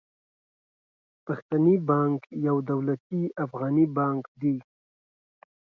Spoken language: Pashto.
پښتني بانک يو دولتي افغاني بانک دي.